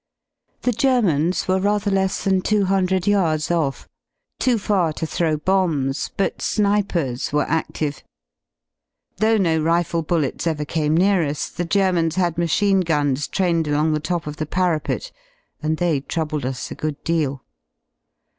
The Germans were rather leSs than 200 yards off, too far to thro w bombs , but^snJELersjwere adlive. Though no nle bullets ever came near us, the Germans had machine guns trained along the top of the parapet, and they troubled us a good deal.